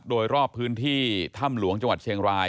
โดยรอบพื้นที่ถ้ำหลวงจังหวัดเชียงราย